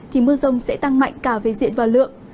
thì mưa rông sẽ tăng mạnh cả về diện và lượng